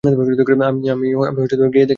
আমি গিয়ে দেখে আসি।